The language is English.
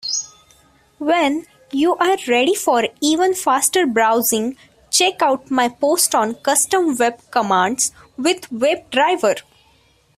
When you are ready for even faster browsing, check out my post on Custom web commands with WebDriver.